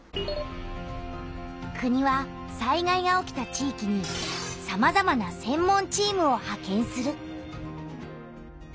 国は災害が起きた地域にさまざまな「専門チーム」をはけんする。